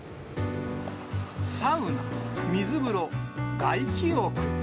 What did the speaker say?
サウナ、水風呂、外気浴。